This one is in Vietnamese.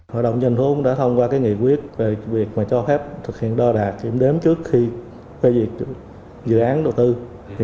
hội đồng nhân dân thành phố đã thông qua nghị quyết về việc cho phép thực hiện đo đạt kiểm đếm trước khi phê diệt dự án đầu tư